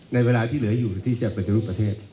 ในเวลาที่เหลืออยู่ที่จะปฏิรูปประเทศ